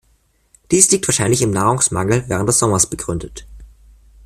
Dies liegt wahrscheinlich im Nahrungsmangel während des Sommers begründet.